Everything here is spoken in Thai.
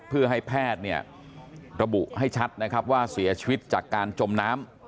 เพื่อให้แพทย์เนี่ยระบุให้ชัดนะครับว่าเสียชีวิตจากการจมน้ำ